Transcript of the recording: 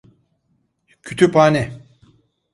Kütüphane.